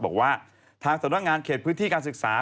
บอกว่าทางสำนักงานเขตพื้นที่การศึกษา